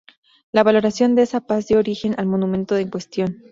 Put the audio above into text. La valoración de esa paz dio origen al monumento en cuestión.